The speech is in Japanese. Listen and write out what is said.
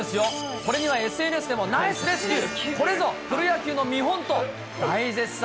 これにはＳＮＳでも、ナイス・レスキュー、これぞプロ野球の見本と、大絶賛。